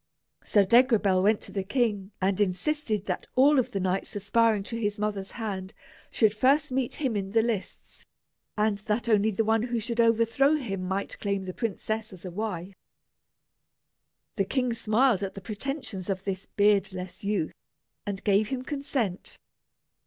Sir Degrabell went to the king and insisted that all of the knights aspiring to his mother's hand should first meet him in the lists, and that only the one who should overthrow him might claim the princess as a wife. The king smiled at the pretentions of this beardless youth, and gave his consent.